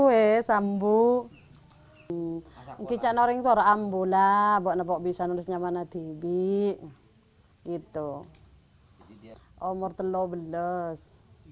umur telah belas